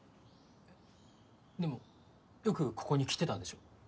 でもよくここに来てたんでしょ？